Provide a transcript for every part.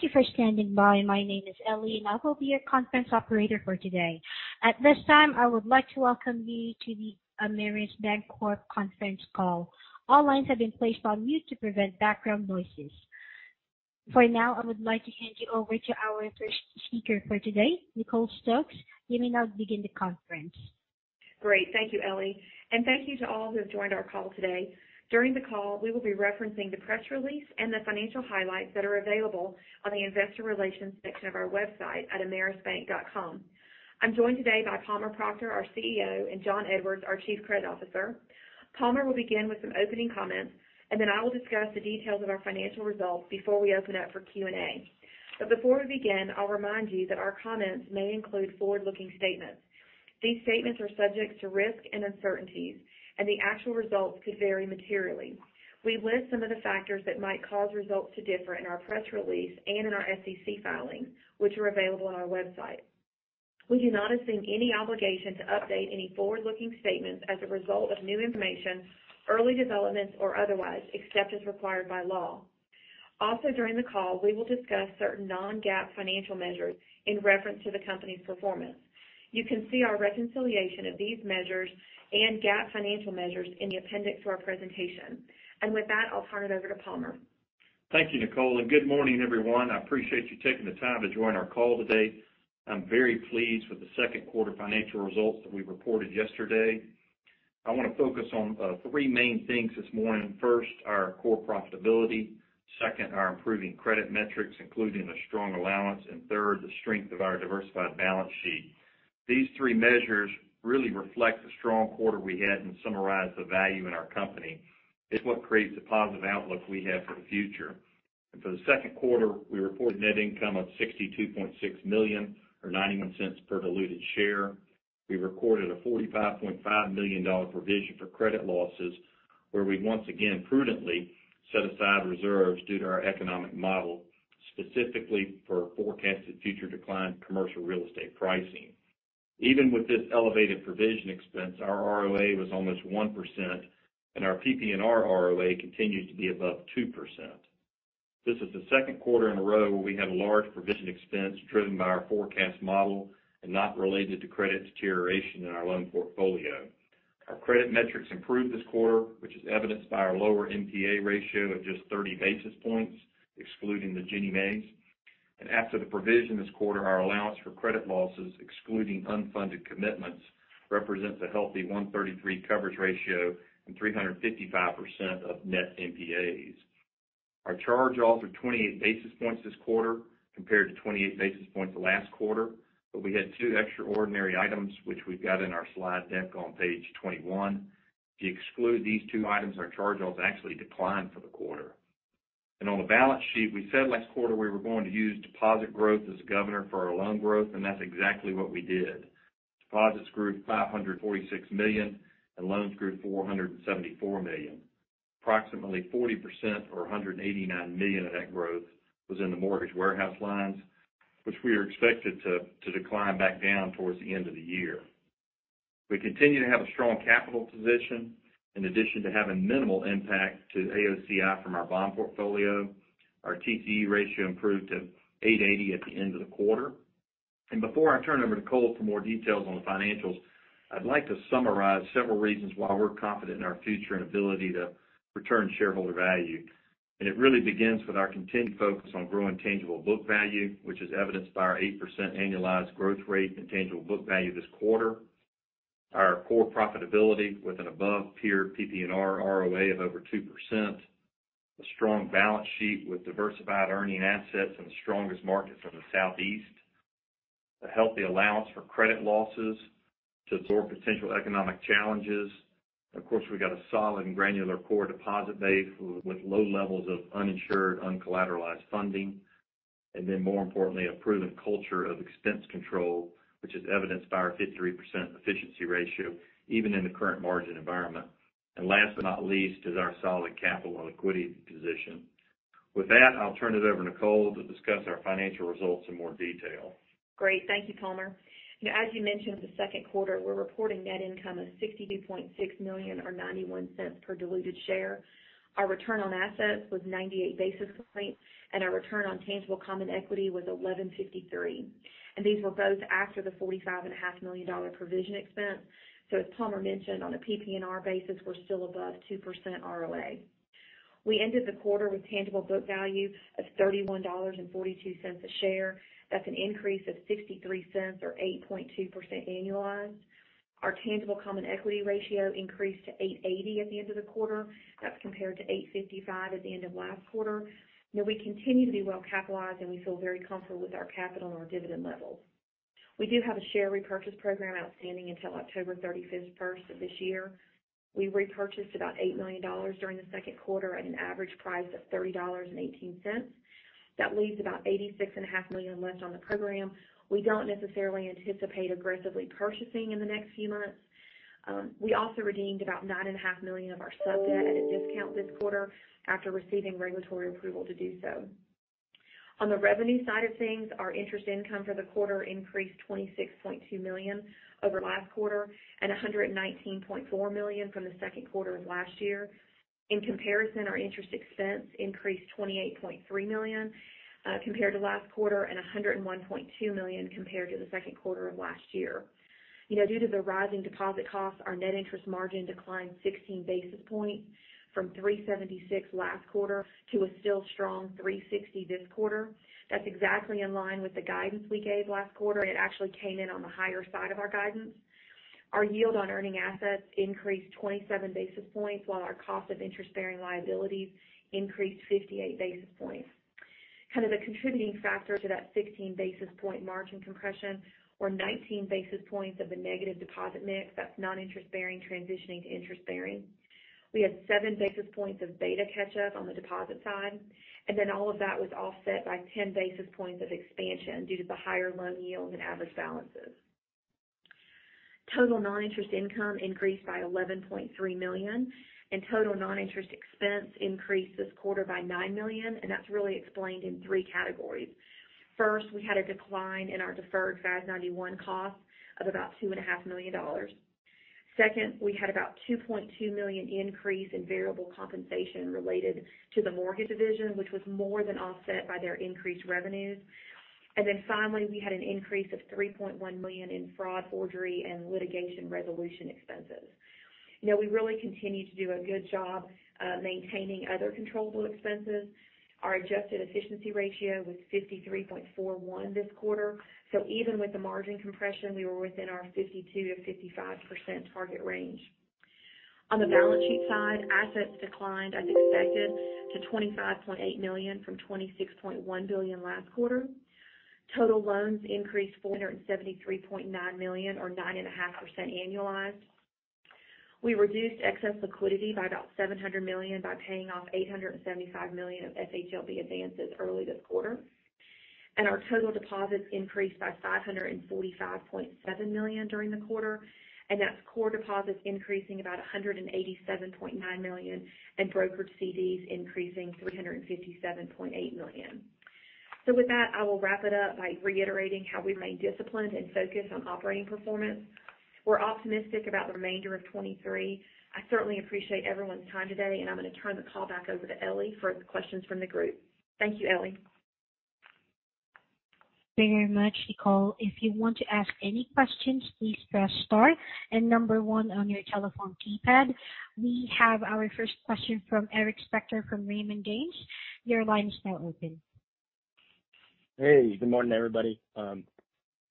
Thank you for standing by. My name is Ellie, and I will be your conference operator for today. At this time, I would like to welcome you to the Ameris Bancorp conference call. All lines have been placed on mute to prevent background noises. For now, I would like to hand you over to our first speaker for today, Nicole Stokes. You may now begin the conference. Great. Thank you, Ellie, thank you to all who have joined our call today. During the call, we will be referencing the press release and the financial highlights that are available on the Investor Relations section of our website at amerisbank.com. I'm joined today by Palmer Proctor, our CEO, and Jon Edwards, our Chief Credit Officer. Palmer will begin with some opening comments, then I will discuss the details of our financial results before we open up for Q&A. Before we begin, I'll remind you that our comments may include forward-looking statements. These statements are subject to risks and uncertainties, the actual results could vary materially. We list some of the factors that might cause results to differ in our press release and in our SEC filings, which are available on our website. We do not assume any obligation to update any forward-looking statements as a result of new information, early developments, or otherwise, except as required by law. Also, during the call, we will discuss certain non-GAAP financial measures in reference to the company's performance. You can see our reconciliation of these measures and GAAP financial measures in the appendix to our presentation. With that, I'll turn it over to Palmer. Thank you, Nicole. Good morning, everyone. I appreciate you taking the time to join our call today. I'm very pleased with the Q2 financial results that we reported yesterday. I want to focus on three main things this morning. First, our core profitability, second, our improving credit metrics, including a strong allowance, and third, the strength of our diversified balance sheet. These three measures really reflect the strong quarter we had and summarize the value in our company. It's what creates the positive outlook we have for the future. For the Q2, we reported net income of $62.6 million or $0.91 per diluted share. We recorded a $45.5 million provision for credit losses, where we once again prudently set aside reserves due to our economic model, specifically for forecasted future decline in commercial real estate pricing. Even with this elevated provision expense, our ROA was almost 1%, and our PPNR ROA continued to be above 2%. This is the Q2 in a row where we had a large provision expense driven by our forecast model and not related to credit deterioration in our loan portfolio. Our credit metrics improved this quarter, which is evidenced by our lower NPA ratio of just 30 basis points, excluding the Ginnie Maes. After the provision this quarter, our allowance for credit losses, excluding unfunded commitments, represents a healthy 133 coverage ratio and 355% of net NPAs. Our charge-offs are 28 basis points this quarter compared to 28 basis points last quarter, but we had two extraordinary items, which we've got in our slide deck on page 21. If you exclude these two items, our charge-offs actually declined for the quarter. On the balance sheet, we said last quarter we were going to use deposit growth as a governor for our loan growth, and that's exactly what we did. Deposits grew $546 million, and loans grew $474 million. Approximately 40% or $189 million of that growth was in the mortgage warehouse lines, which we are expected to decline back down towards the end of the year. We continue to have a strong capital position, in addition to having minimal impact to AOCI from our bond portfolio. Our TCE ratio improved to 8.80% at the end of the quarter. Before I turn over to Nicole for more details on the financials, I'd like to summarize several reasons why we're confident in our future and ability to return shareholder value. It really begins with our continued focus on growing tangible book value, which is evidenced by our 8% annualized growth rate in tangible book value this quarter. Our core profitability with an above-peer PPNR ROA of over 2%, a strong balance sheet with diversified earning assets in the strongest markets in the Southeast, a healthy allowance for credit losses to absorb potential economic challenges. Of course, we've got a solid and granular core deposit base with low levels of uninsured, uncollateralized funding, and then, more importantly, a proven culture of expense control, which is evidenced by our 53% efficiency ratio, even in the current margin environment. Last but not least, is our solid capital and liquidity position. With that, I'll turn it over to Nicole to discuss our financial results in more detail. Great. Thank you, Palmer. You know, as you mentioned, the Q2, we're reporting net income of $62.6 million or $0.91 per diluted share. Our return on assets was 98 basis points, and our return on tangible common equity was 11.53%. These were both after the $45.5 million provision expense. As Palmer mentioned, on a PPNR basis, we're still above 2% ROA. We ended the quarter with tangible book value of $31.42 a share. That's an increase of $0.63 or 8.2% annualized. Our tangible common equity ratio increased to 8.80% at the end of the quarter. That's compared to 8.55% at the end of last quarter. We continue to be well-capitalized, and we feel very comfortable with our capital and our dividend levels. We do have a share repurchase program outstanding until October 31st of this year. We repurchased about $8 million during the Q2 at an average price of $30.18. That leaves about $86.5 million left on the program. We don't necessarily anticipate aggressively purchasing in the next few months. We also redeemed about $9.5 million of our subordinated debt at a discount this quarter after receiving regulatory approval to do so. On the revenue side of things, our interest income for the quarter increased $26.2 million over last quarter and $119.4 million from the Q2 of last year. In comparison, our interest expense increased $28.3 million compared to last quarter and $101.2 million compared to the Q2 of last year. You know, due to the rising deposit costs, our net interest margin declined 16 basis points from 376 last quarter to a still strong 360 this quarter. It actually came in on the higher side of our guidance. Our yield on earning assets increased 27 basis points, while our cost of interest-bearing liabilities increased 58 basis points. Kind of a contributing factor to that 16 basis point margin compression or 19 basis points of the negative deposit mix, that's non-interest-bearing, transitioning to interest-bearing. We had 7 basis points of beta catch-up on the deposit side, and then all of that was offset by 10 basis points of expansion due to the higher loan yields and average balances. Total noninterest income increased by $11.3 million, and total noninterest expense increased this quarter by $9 million, and that's really explained in 3 categories. First, we had a decline in our deferred FAS 91 costs of about $2.5 million. Second, we had about $2.2 million increase in variable compensation related to the mortgage division, which was more than offset by their increased revenues. Then finally, we had an increase of $3.1 million in fraud, forgery, and litigation resolution expenses. You know, we really continue to do a good job maintaining other controllable expenses. Our adjusted efficiency ratio was 53.41% this quarter. Even with the margin compression, we were within our 52% to 55% target range. On the balance sheet side, assets declined as expected to $25.8 million from $26.1 billion last quarter. Total loans increased $473.9 million, or 9.5% annualized. We reduced excess liquidity by about $700 million by paying off $875 million of FHLB advances early this quarter. Our total deposits increased by $545.7 million during the quarter, and that's core deposits increasing about $187.9 million, and brokered CDs increasing $357.8 million. With that, I will wrap it up by reiterating how we remain disciplined and focused on operating performance. We're optimistic about the remainder of 2023. I certainly appreciate everyone's time today, and I'm going to turn the call back over to Ellie for questions from the group. Thank you, Ellie. Thank you very much, Nicole. If you want to ask any questions, please press star and 1 on your telephone keypad. We have our first question from Eric Spector, from Raymond James. Your line is now open. Hey, good morning, everybody.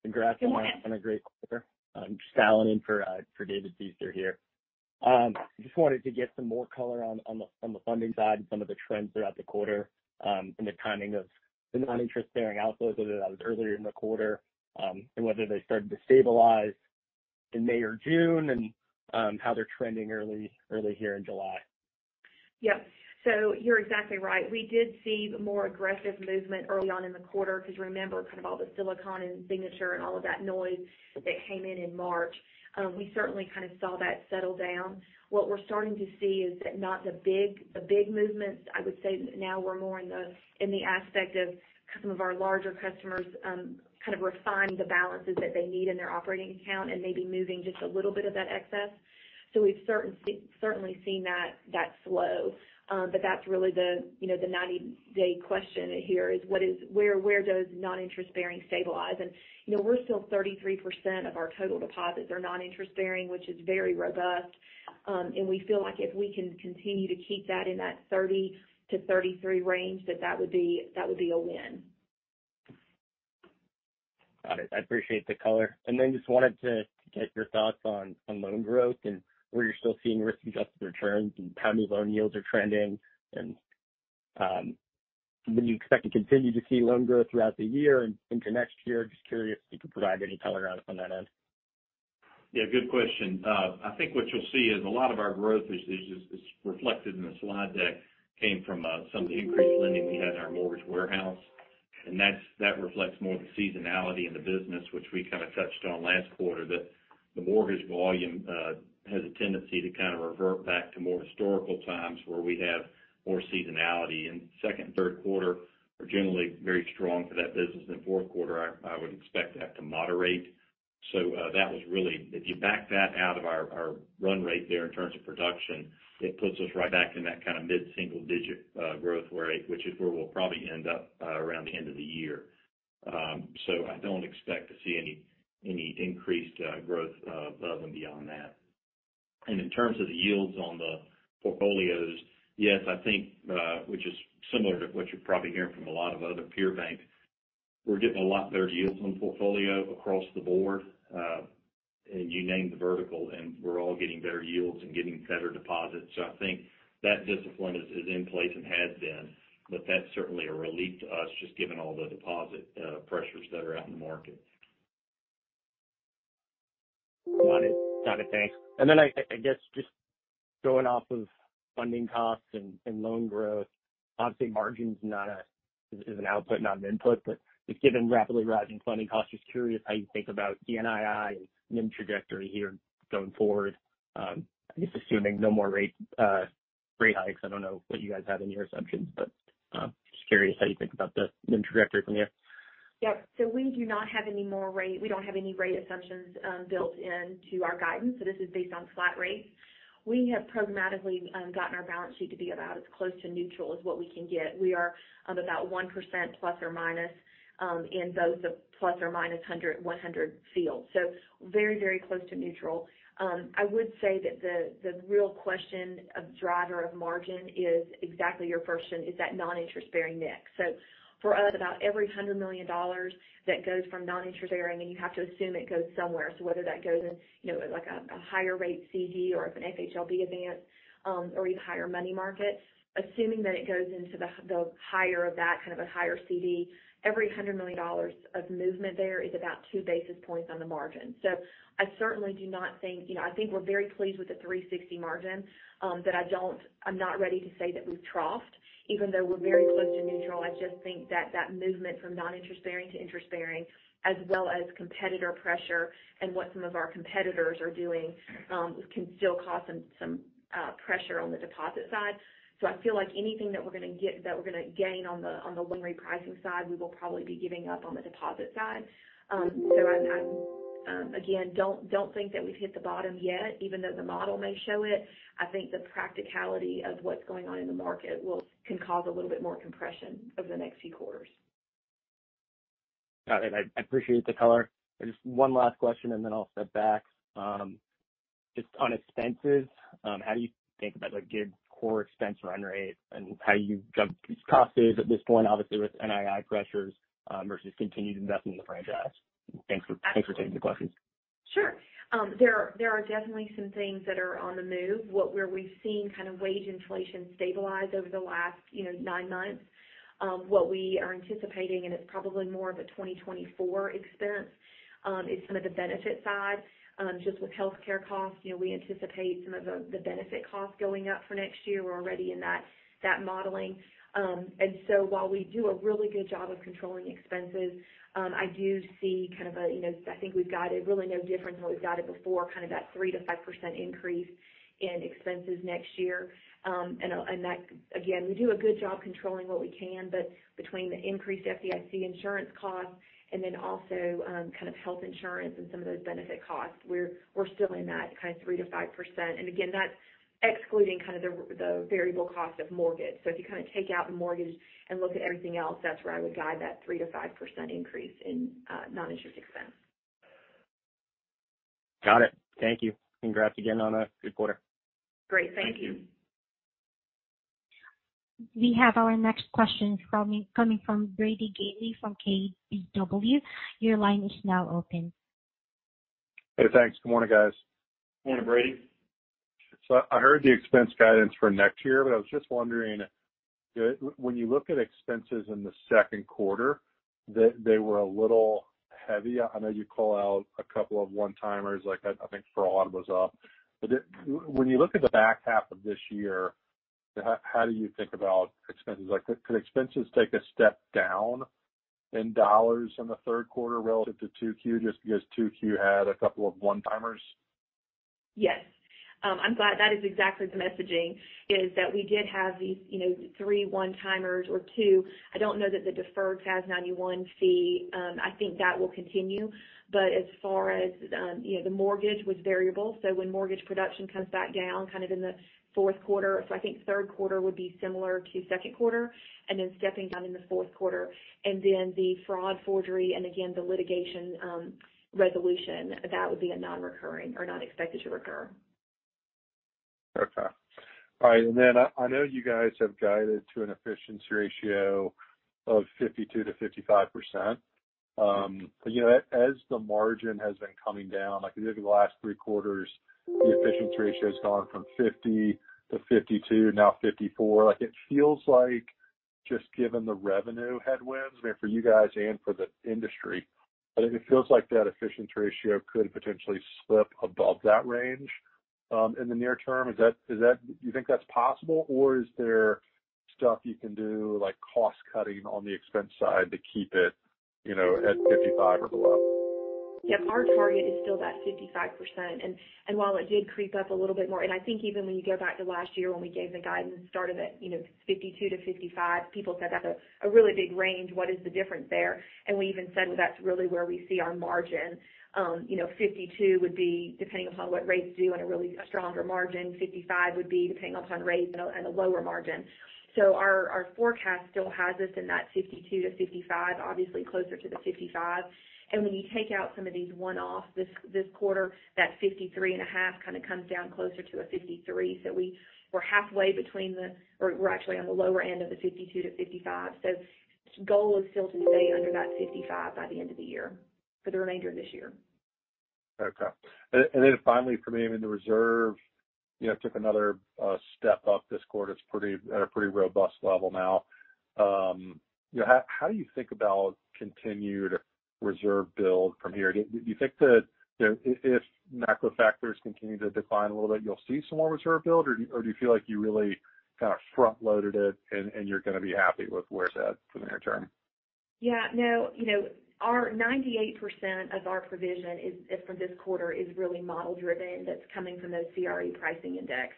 congrats- Good morning. On a great quarter. I'm just dialing in for, for David Feaster here. Just wanted to get some more color on, the funding side and some of the trends throughout the quarter, and the timing of the non-interest-bearing outflows earlier in the quarter, and whether they started to stabilize in May or June, and how they're trending early, early here in July. Yep. You're exactly right. We did see the more aggressive movement early on in the quarter, because remember, kind of all the Silicon and Signature and all of that noise that came in in March, we certainly kind of saw that settle down. What we're starting to see is that not the big, the big movements. I would say now we're more in the, in the aspect of some of our larger customers, kind of refining the balances that they need in their operating account and maybe moving just a little bit of that excess. We've certainly seen that, that slow, but that's really the, you know, the 90-day question here is what is where, where does non-interest bearing stabilize? You know, we're still 33% of our total deposits are non-interest bearing, which is very robust. We feel like if we can continue to keep that in that 30 to 33 range, that that would be, that would be a win. Got it. I appreciate the color. Just wanted to get your thoughts on, on loan growth and where you're still seeing risk-adjusted returns and how new loan yields are trending. Do you expect to continue to see loan growth throughout the year and into next year? Just curious if you could provide any color on, on that end. Yeah, good question. I think what you'll see is a lot of our growth is, is, is reflected in the slide deck, came from some of the increased lending we had in our mortgage warehouse. That's-- that reflects more the seasonality in the business, which we kind of touched on last quarter, that the mortgage volume has a tendency to kind of revert back to more historical times where we have more seasonality.Q2 and Q3 are generally very strong for that business. In the Q4, I, I would expect that to moderate. That was really-- if you back that out of our, our run rate there in terms of production, it puts us right back in that kind of mid-single digit growth rate, which is where we'll probably end up around the end of the year. I don't expect to see any, any increased growth above and beyond that. In terms of the yields on the portfolios, yes, I think, which is similar to what you're probably hearing from a lot of other peer banks, we're getting a lot better yields on the portfolio across the board. You name the vertical, and we're all getting better yields and getting better deposits. I think that discipline is, is in place and has been, but that's certainly a relief to us, just given all the deposit pressures that are out in the market. Got it. Got it. Thanks. I guess, just going off of funding costs and loan growth, obviously, margin's not an output, not an input, but just given rapidly rising funding costs, just curious how you think about NII and NIM trajectory here going forward. I guess assuming no more rate hikes, I don't know what you guys have in your assumptions, but just curious how you think about the NIM trajectory from here? Yep. We do not have any more rate-- we don't have any rate assumptions, built into our guidance, this is based on flat rate. We have programmatically, gotten our balance sheet to be about as close to neutral as what we can get. We are of about 1% ±, in both the ±100, 100 fields. Very, very close to neutral. I would say that the, the real question of driver of margin is exactly your first one, is that non-interest-bearing mix. For us, about every $100 million that goes from non-interest-bearing, and you have to assume it goes somewhere. Whether that goes in, you know, like a, a higher rate CD or an FHLB advance, or even higher money market, assuming that it goes into the, the higher of that, kind of a higher CD, every $100 million of movement there is about 2 basis points on the margin. I certainly do not think, you know, I think we're very pleased with the 3.60 margin, but I don't, I'm not ready to say that we've troughed, even though we're very close to neutral. I just think that that movement from non-interest-bearing to interest-bearing, as well as competitor pressure and what some of our competitors are doing, can still cause some, some pressure on the deposit side. I feel like anything that we're going to get, that we're going to gain on the, on the loan repricing side, we will probably be giving up on the deposit side. I, again, don't, don't think that we've hit the bottom yet, even though the model may show it. I think the practicality of what's going on in the market can cause a little bit more compression over the next few quarters. Got it. I, I appreciate the color. Just one last question, and then I'll step back. just on expenses, how do you think about a good core expense run rate and how you've jumped these costs at this point, obviously, with NII pressures, versus continued investment in the franchise? Thanks for, thanks for taking the questions. Sure. There are, there are definitely some things that are on the move. What where we've seen kind of wage inflation stabilize over the last, you know, nine months. What we are anticipating, and it's probably more of a 2024 expense, is some of the benefit side, just with healthcare costs. You know, we anticipate some of the, the benefit costs going up for next year. We're already in that, that modeling. While we do a really good job of controlling expenses, I do see kind of a, you know, I think we've guided really no different than we've guided before, kind of that 3% to 5% increase in expenses next year. That, again, we do a good job controlling what we can, but between the increased FDIC insurance costs and then also, kind of health insurance and some of those benefit costs, we're, we're still in that kind of 3% to 5%. Again, that's excluding kind of the variable cost of mortgage. If you kind of take out the mortgage and look at everything else, that's where I would guide that 3% to 5% increase in noninterest expense. Got it. Thank you. Congrats again on a good quarter. Great. Thank you. We have our next question coming from Brady Gailey from KBW. Your line is now open. Hey, thanks. Good morning, guys. Good morning, Brady. I heard the expense guidance for next year, but I was just wondering, when you look at expenses in the Q2, they, they were a little heavy. I know you call out a couple of one-timers, like I, I think fraud was up. When you look at the back half of this year, how, how do you think about expenses? Like, could expenses take a step down in dollars in the Q3 relative to 2Q, just because 2Q had a couple of one-timers? Yes. I'm glad that is exactly the messaging, is that we did have these, you know, 3 one-timers or 2. I don't know that the deferred FAS 91 fee, I think that will continue. As far as, you know, the mortgage was variable, so when mortgage production comes back down kind of in the Q4. I think Q3 would be similar to Q2, then stepping down in the Q4. The fraud, forgery, and again, the litigation resolution, that would be a nonrecurring or not expected to recur. Okay. All right. Then I, I know you guys have guided to an efficiency ratio of 52% to 55%. But, you know, as, as the margin has been coming down, like even the last 3 quarters, the efficiency ratio has gone from 50 to 52, now 54. Like, it feels like just given the revenue headwinds, I mean, for you guys and for the industry, but it feels like that efficiency ratio could potentially slip above that range in the near term. Do you think that's possible, or is there stuff you can do, like cost cutting on the expense side to keep it, you know, at 55 or below? Yep, our target is still that 55%. While it did creep up a little bit more, and I think even when you go back to last year when we gave the guidance and started at, you know, 52 to 55, people said, "That's a really big range. What is the difference there?" We even said that's really where we see our margin. You know, 52 would be depending upon what rates do and a really stronger margin. 55 would be depending upon rates and a lower margin. Our forecast still has us in that 52 to 55, obviously closer to the 55. When you take out some of these one-offs this quarter, that 53.5 kind of comes down closer to a 53. We're halfway between the... We're actually on the lower end of the 52 to 55. Goal is still to stay under that 55 by the end of the year, for the remainder of this year. Okay. Then finally for me, I mean, the reserve, you know, took another step up this quarter. At a pretty robust level now. You know, how, how do you think about continued reserve build from here? Do you think that, you know, if, if macro factors continue to decline a little bit, you'll see some more reserve build, or do, or do you feel like you really kind of front-loaded it and, and you're going to be happy with where it's at for the near term? Yeah, no, you know, our 98% of our provision is for this quarter is really model driven. That's coming from those CRE pricing index.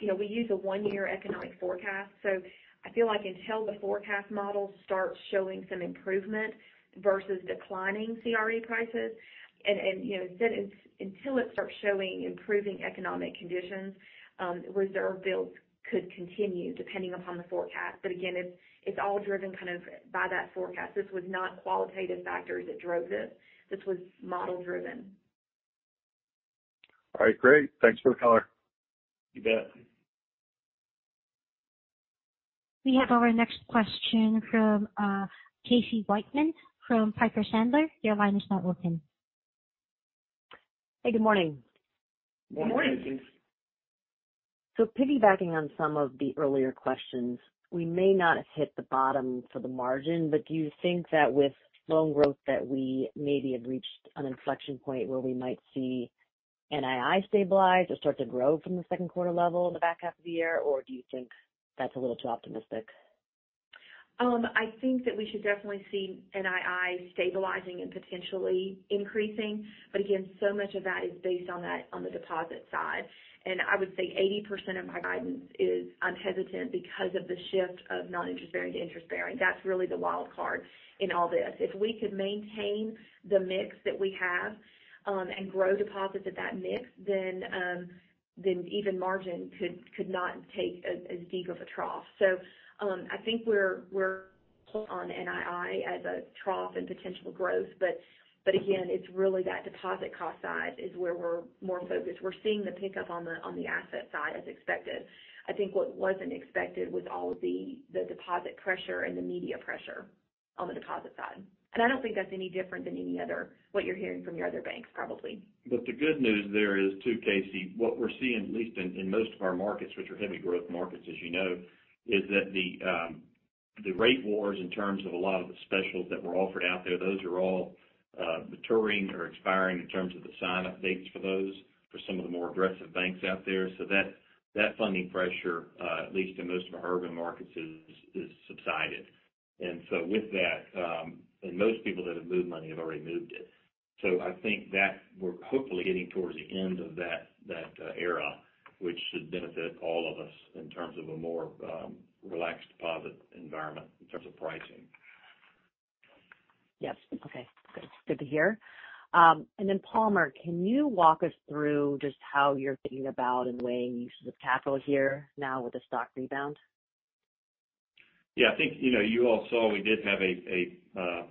You know, we use a one-year economic forecast, so I feel like until the forecast model starts showing some improvement versus declining CRE prices, and, you know, until it starts showing improving economic conditions, reserve builds could continue depending upon the forecast. Again, it's all driven kind of by that forecast. This was not qualitative factors that drove this. This was model driven. All right, great. Thanks for the color. You bet. We have our next question from, Casey Whitman from Piper Sandler. Your line is now open. Hey, good morning. Good morning. Piggybacking on some of the earlier questions, we may not have hit the bottom for the margin, but do you think that with loan growth, that we maybe have reached an inflection point where we might see NII stabilize or start to grow from the Q2 level in the back half of the year? Or do you think that's a little too optimistic? I think that we should definitely see NII stabilizing and potentially increasing. Again, so much of that is based on that, on the deposit side. I would say 80% of my guidance is unhesitant because of the shift of non-interest-bearing to interest-bearing. That's really the wild card in all this. If we could maintain the mix that we have and grow deposits at that mix, then even margin could not take as deep of a trough. I think we're on NII as a trough and potential growth, but again, it's really that deposit cost side is where we're more focused. We're seeing the pickup on the asset side as expected. I think what wasn't expected was all of the deposit pressure and the media pressure on the deposit side. I don't think that's any different than what you're hearing from your other banks, probably. The good news there is, too, Casey, what we're seeing, at least in, in most of our markets, which are heavy growth markets, as you know, is that the rate wars in terms of a lot of the specials that were offered out there, those are all maturing or expiring in terms of the sign-up dates for those, for some of the more aggressive banks out there. That, that funding pressure, at least in most of our urban markets, is subsided. So with that, and most people that have moved money have already moved it. I think that we're hopefully getting towards the end of that, that era, which should benefit all of us in terms of a more relaxed deposit environment in terms of pricing. Yes. Okay, good. Good to hear. Then, Palmer, can you walk us through just how you're thinking about and weighing use of capital here now with the stock rebound? Yeah, I think, you know, you all saw we did have a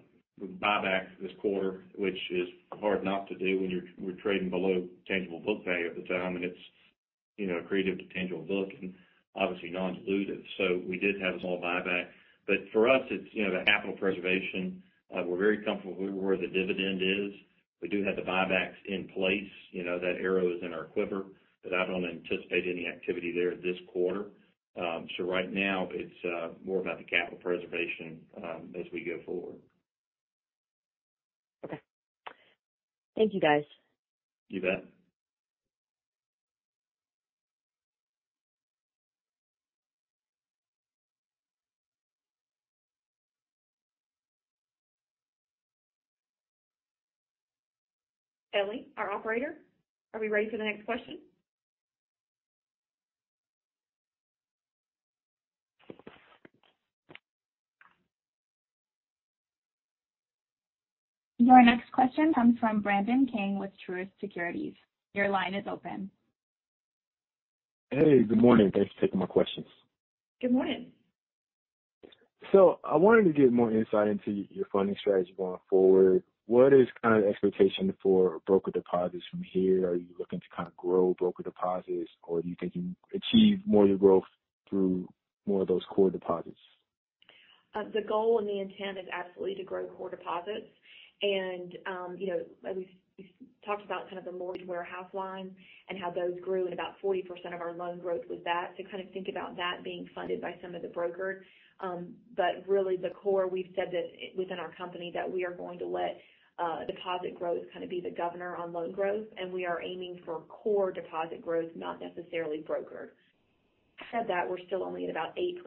buyback this quarter, which is hard not to do when we're trading below tangible book value at the time, and it's, you know, accretive to tangible book and obviously non-dilutive. We did have a small buyback. For us, it's, you know, the capital preservation. We're very comfortable with where the dividend is. We do have the buybacks in place. You know, that arrow is in our quiver, but I don't anticipate any activity there this quarter. Right now, it's more about the capital preservation as we go forward. Okay. Thank you, guys. You bet. Ellie, our operator, are we ready for the next question? Your next question comes from Brandon King with Truist Securities. Your line is open. Hey, good morning. Thanks for taking my questions. Good morning. I wanted to get more insight into your funding strategy going forward. What is kind of the expectation for brokered deposits from here? Are you looking to kind of grow brokered deposits, or do you think you can achieve more of your growth through more of those core deposits? The goal and the intent is absolutely to grow core deposits. You know, as we've, we've talked about kind of the mortgage warehouse line and how those grew and about 40% of our loan growth was that, to kind of think about that being funded by some of the brokered. Really the core, we've said that within our company, that we are going to let deposit growth kind of be the governor on loan growth, and we are aiming for core deposit growth, not necessarily brokered. Said that, we're still only at about 8%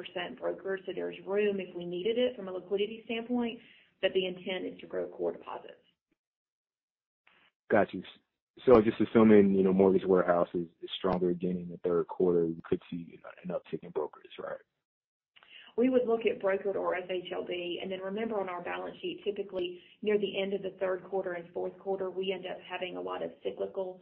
brokered, so there's room if we needed it from a liquidity standpoint, but the intent is to grow core deposits. Got you. Just assuming, you know, mortgage warehouse is, is stronger again in the Q3, we could see an uptick in brokers, right? We would look at brokered or FHLB, and then remember on our balance sheet, typically near the end of the Q3 and Q4, we end up having a lot of cyclical,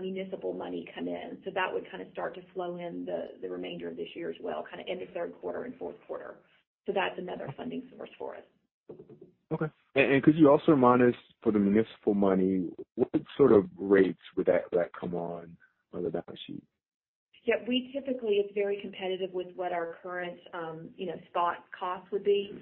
municipal money come in. That would kind of start to flow in the remainder of this year as well, kind of in the Q3 and Q4. That's another funding source for us. Okay. Could you also remind us, for the municipal money, what sort of rates would that, that come on, on the balance sheet? Yeah, we typically it's very competitive with what our current, you know, spot cost would be.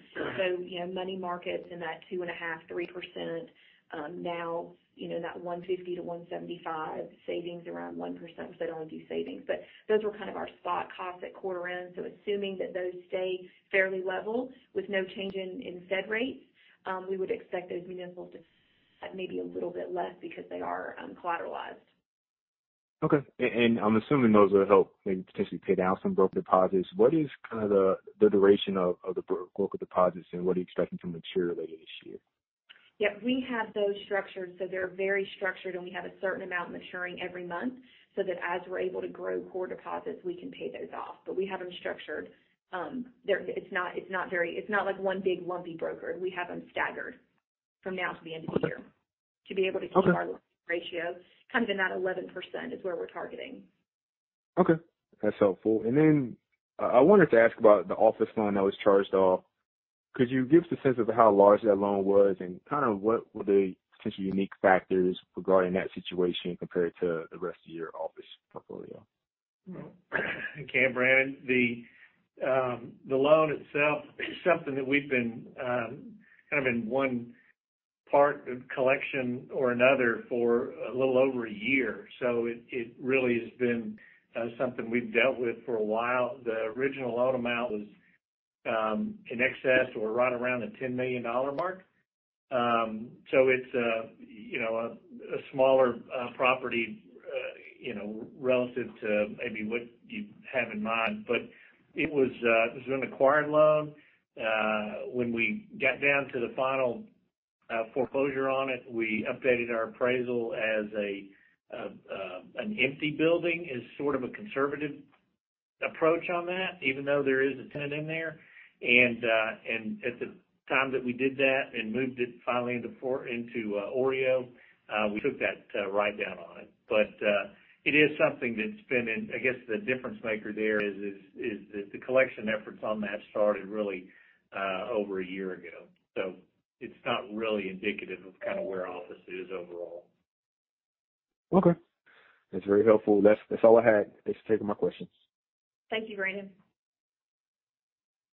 You know, money markets in that 2.5% to 3%, now, you know, that 1.50% to 1.75% savings, around 1%, so it'll only be savings. Those were kind of our spot costs at quarter end. Assuming that those stay fairly level with no change in Fed rates, we would expect those municipals to maybe a little bit less because they are collateralized. Okay, I'm assuming those will help maybe potentially pay down some brokered deposits. What is kind of the duration of the brokered deposits, and what are you expecting to mature later this year? Yep, we have those structured, so they're very structured, and we have a certain amount maturing every month, so that as we're able to grow core deposits, we can pay those off. We have them structured. It's not like one big lumpy broker. We have them staggered from now to the end of the year. To be able to [inaudible] keep our ratio kind of in that 11% is where we're targeting. Okay, that's helpful. I wanted to ask about the office loan that was charged off. Could you give us a sense of how large that loan was, and kind of what were the potential unique factors regarding that situation compared to the rest of your office portfolio? Well, okay, Brandon, the, the loan itself is something that we've been, kind of, in one part of collection or another for a little over a year, so it, it really has been, something we've dealt with for a while. The original loan amount was, in excess or right around the $10 million mark. So it's a, you know, a, a smaller, property, you know, relative to maybe what you have in mind, but it was, it was an acquired loan. When we got down to the final, foreclosure on it, we updated our appraisal as a, an empty building, as sort of a conservative approach on that, even though there is a tenant in there. At the time that we did that and moved it finally into for- into, OREO, we took that write-down on it. It is something that's been in, I guess, the difference maker there is, is, is that the collection efforts on that started really, over a year ago. It's not really indicative of kind of where office is overall. Okay. That's very helpful. That's, that's all I had. Thanks for taking my questions. Thank you, Brandon.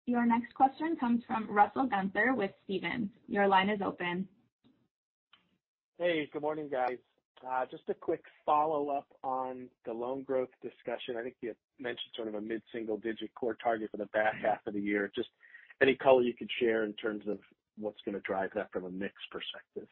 Your next question comes from Russell Gunther with Stephens. Your line is open. Hey, good morning, guys. Just a quick follow-up on the loan growth discussion. I think you had mentioned sort of a mid-single digit core target for the back half of the year. Just any color you could share in terms of what's going to drive that from a mix perspective?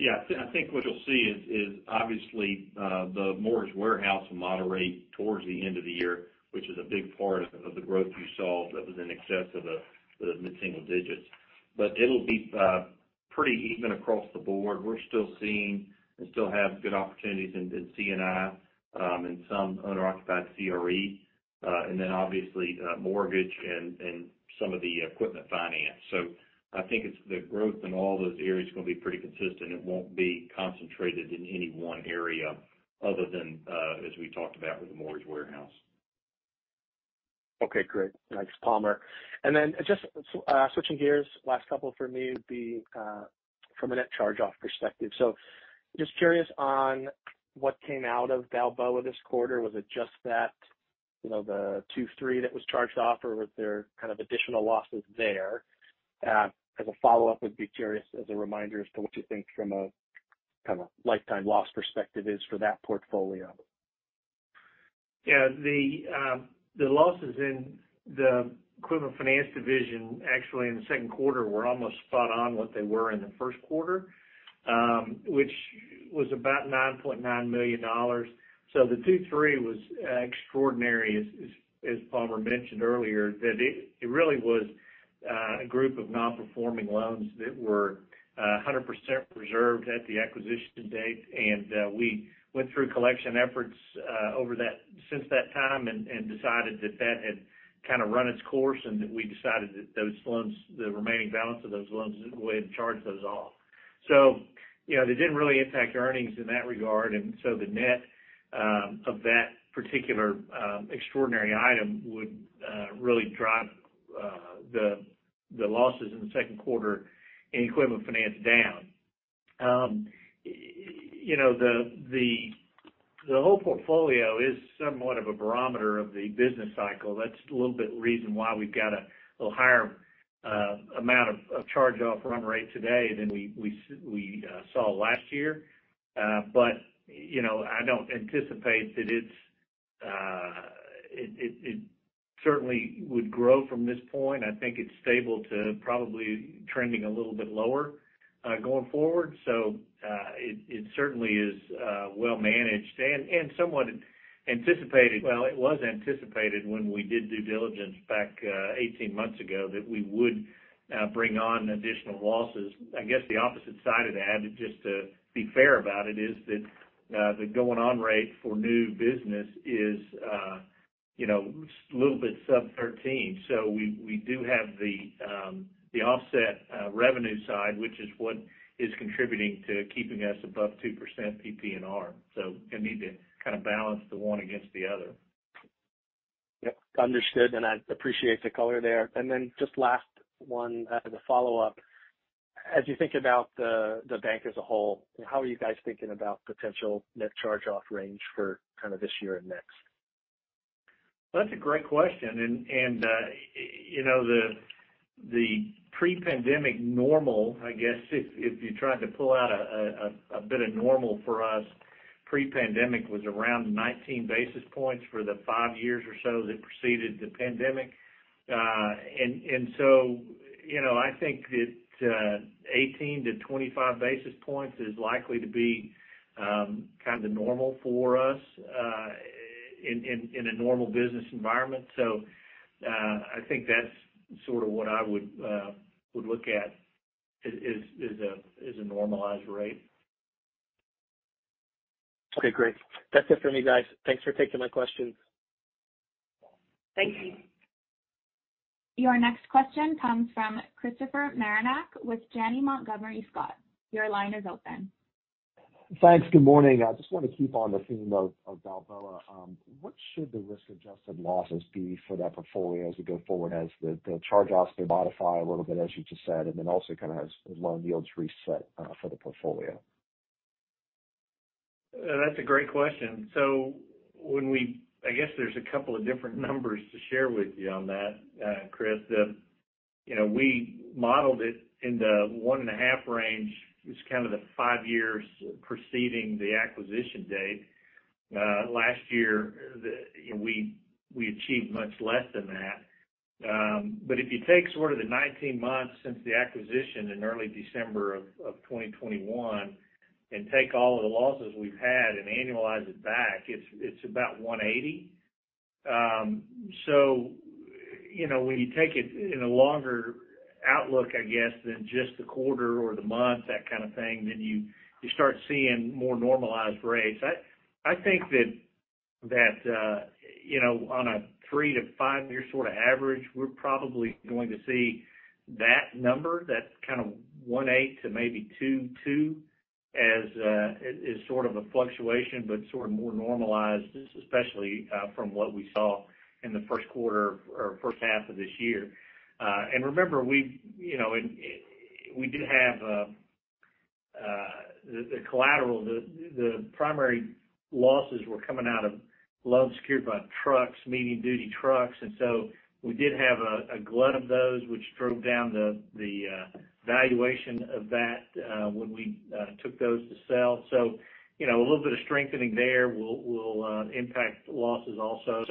I think what you'll see is, is obviously, the mortgage warehouse will moderate towards the end of the year, which is a big part of the growth you saw that was in excess of the, the mid-single digits. It'll be pretty even across the board. We're still seeing and still have good opportunities in, in C&I, and some unoccupied CRE, and then obviously, mortgage and, and some of the equipment finance. I think it's the growth in all those areas is gonna be pretty consistent. It won't be concentrated in any one area other than, as we talked about, with the mortgage warehouse. Okay, great. Thanks, Palmer. Just switching gears, last couple for me, from a net charge-offs perspective. Just curious on what came out of Balboa this quarter. Was it just that, you know, the 2 to 3 that was charged off, or was there kind of additional losses there? As a follow-up, would be curious as a reminder as to what you think from a kind of lifetime loss perspective is for that portfolio. Yeah, the losses in the equipment finance division, actually, in the Q2 were almost spot on what they were in the Q1, which was about $9.9 million. The two-three was extraordinary, as Palmer mentioned earlier, that it really was a group of non-performing loans that were 100% reserved at the acquisition date. We went through collection efforts over that since that time and decided that that had kind of run its course, and that we decided that those loans, the remaining balance of those loans, we had to charge those off. You know, they didn't really impact earnings in that regard, and so the net of that particular extraordinary item would really drive the losses in the Q2 in equipment finance down. You know, the whole portfolio is somewhat of a barometer of the business cycle. That's a little bit reason why we've got a little higher amount of charge-offs run rate today than we saw last year. But, you know, I don't anticipate that it's... It certainly would grow from this point. I think it's stable to probably trending a little bit lower going forward. So, it certainly is well managed and somewhat anticipated. Well, it was anticipated when we did due diligence back 18 months ago, that we would bring on additional losses. I guess the opposite side of the ad, just to be fair about it, is that the going-on rate for new business is, you know, a little bit sub 13. We do have the offset revenue side, which is what is contributing to keeping us above 2% PPNR. You need to kind of balance the one against the other. Yep, understood, I appreciate the color there. Just last one as a follow-up. As you think about the, the bank as a whole, how are you guys thinking about potential net charge-offs range for kind of this year and next? That's a great question, and, and, you know, the, the pre-pandemic normal, I guess, if, if you tried to pull out, a bit of normal for us, pre-pandemic was around 19 basis points for the 5 years or so that preceded the pandemic. You know, I think that, 18 to 25 basis points is likely to be, kind of normal for us, in a normal business environment. I think that's sort of what I would, would look at, as a normalized rate. Okay, great. That's it for me, guys. Thanks for taking my questions. Thank you. Your next question comes from Christopher Marinac with Janney Montgomery Scott. Your line is open. Thanks. Good morning. I just want to keep on the theme of, of Balboa. What should the risk-adjusted losses be for that portfolio as we go forward, as the, the charge-offs may modify a little bit, as you just said, and then also kind of as, as loan yields reset for the portfolio? That's a great question. When we-- I guess there's a couple of different numbers to share with you on that, Chris. The, you know, we modeled it in the 1.5 range, which is kind of the five years preceding the acquisition date. Last year, the, you know, we, we achieved much less than that. But if you take sort of the 19 months since the acquisition in early December of 2021, and take all of the losses we've had and annualize it back, it's, it's about 180. So, you know, when you take it in a longer outlook, I guess, than just the quarter or the month, that kind of thing, then you, you start seeing more normalized rates. I, I think that, that, you know, on a 3 to 5 year sort of average, we're probably going to see that number, that kind of 1.8 to 2.2, as sort of a fluctuation, but sort of more normalized, especially from what we saw in the Q1 or first half of this year. Remember, we, you know, we did have the collateral, the primary losses were coming out of loans secured by trucks, medium-duty trucks. We did have a glut of those, which drove down the valuation of that when we took those to sell. You know, a little bit of strengthening there will, will impact losses also.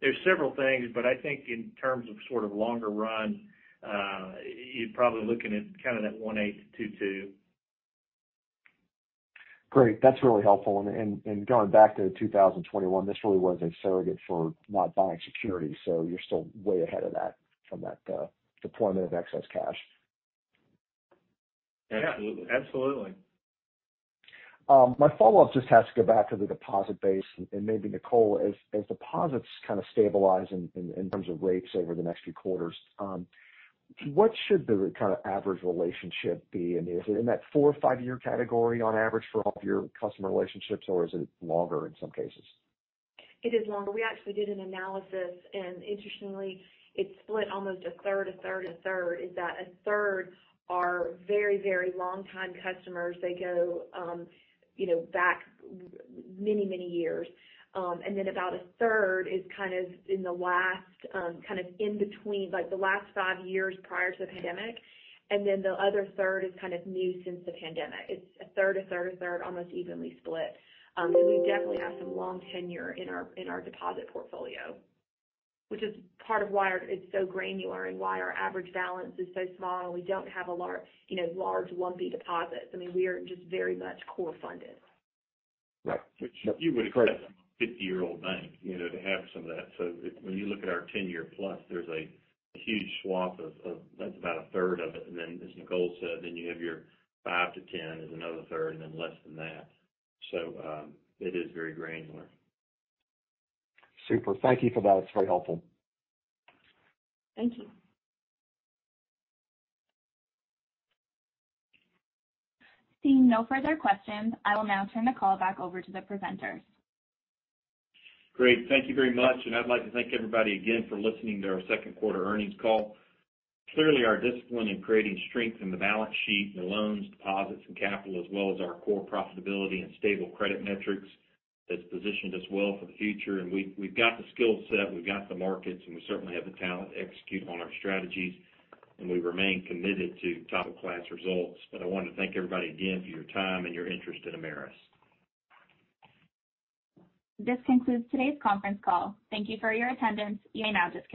There's several things, but I think in terms of sort of longer run, you're probably looking at kind of that 1.8 to 2.2. Great. That's really helpful. going back to 2021, this really was a surrogate for not buying securities, so you're still way ahead of that, from that, deployment of excess cash. [inaudible] absolutely. My follow-up just has to go back to the deposit base, and maybe Nicole, as, as deposits kind of stabilize in, in terms of rates over the next few quarters, what should the kind of average relationship be? Is it in that 4 or 5-year category on average for all of your customer relationships, or is it longer in some cases? It is longer. We actually did an analysis, interestingly, it split almost 1/3, 1/3, 1/3. Is that 1/3 are very, very long-time customers. They go, you know, back many, many years. Then about 1/3 is kind of in the last, kind of in between, like, the last 5 years prior to the pandemic. Then the other 1/3 is kind of new since the pandemic. It's 1/3, 1/3, 1/3, almost evenly split. We definitely have some long tenure in our, in our deposit portfolio, which is part of why it's so granular and why our average balance is so small, and we don't have a large, you know, large lumpy deposits. I mean, we are just very much core funded. Right. You would expect a 50-year-old bank, you know, to have some of that. When you look at our 10-year plus, there's a huge swath of... That's about a third of it. Then, as Nicole said, then you have your 5 to 10 is another third and then less than that. It is very granular. Super. Thank you for that. It's very helpful. Thank you. Seeing no further questions, I will now turn the call back over to the presenters. Great. Thank you very much, and I'd like to thank everybody again for listening to our Q2 earnings call. Clearly, our discipline in creating strength in the balance sheet, the loans, deposits, and capital, as well as our core profitability and stable credit metrics, has positioned us well for the future. We've got the skill set, we've got the markets, and we certainly have the talent to execute on our strategies, and we remain committed to top-of-class results. I want to thank everybody again for your time and your interest in Ameris. This concludes today's conference call. Thank you for your attendance. You may now disconnect.